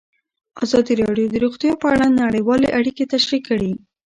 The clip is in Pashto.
ازادي راډیو د روغتیا په اړه نړیوالې اړیکې تشریح کړي.